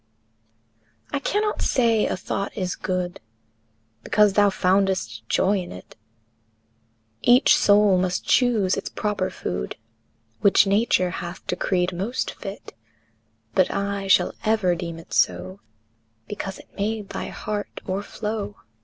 II. I cannot say a thought is good Because thou foundest joy in it; Each soul must choose its proper food Which Nature hath decreed most fit; But I shall ever deem it so Because it made thy heart o'erflow.